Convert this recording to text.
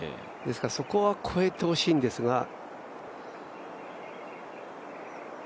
ですから、そこは越えてほしいんですが。